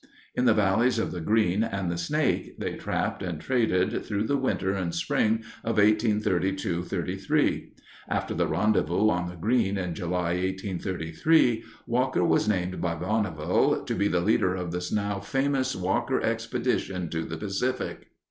In the valleys of the Green and the Snake they trapped and traded through the winter and spring of 1832 33. After the rendezvous on the Green in July, 1833, Walker was named by Bonneville to be the leader of the now famous Walker expedition to the Pacific.